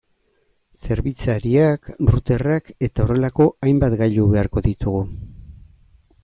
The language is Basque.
Zerbitzariak, routerrak eta horrelako hainbat gailu beharko ditugu.